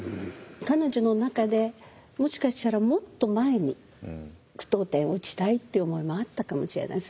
彼女の中でもしかしたらもっと前に句読点を打ちたいって思いもあったかもしれない。